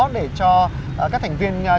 để cho các thành viên trở lại